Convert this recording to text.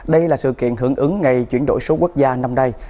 đây là sự kiện hưởng ứng ngày chuyển đổi số quốc gia năm nay